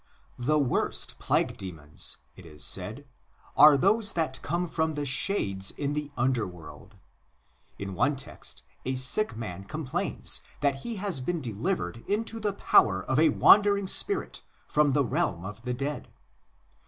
The worst plague demons, it is said, are those that come from the shades in the under world. In one text a sick man complains that he has been delivered into the power of a wandering spirit from the realm of the dead.